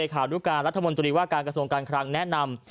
ขานุการรัฐมนตรีว่าการกระทรวงการคลังแนะนำ